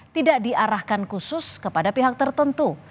tidak diarahkan khusus kepada pihak tertentu